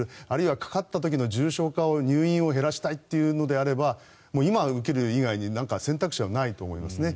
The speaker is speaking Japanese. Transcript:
あるいはかかった時の重症化、入院を減らしたいというのであれば今、受ける以外に選択肢はないと思います。